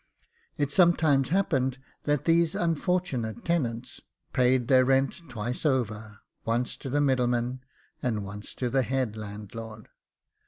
It sometimes happened that these unfortunate tenants paid their rent twice over, once to the MIDDLEMAN, and once to the HEAD LANDLORD.